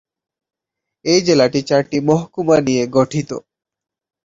এই জেলাটি চারটি মহকুমা নিয়ে গঠিত।